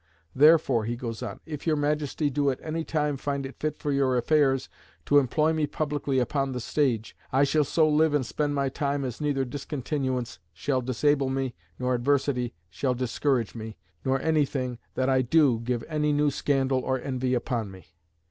"Therefore," he goes on, "if your Majesty do at any time find it fit for your affairs to employ me publicly upon the stage, I shall so live and spend my time as neither discontinuance shall disable me nor adversity shall discourage me, nor anything that I do give any new scandal or envy upon me."